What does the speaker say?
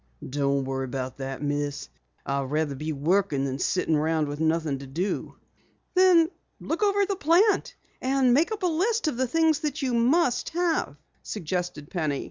"Don't worry about that, Miss. I would rather be working than sitting around with nothing to do." "Then look over the plant and make up a list of the things you must have," suggested Penny.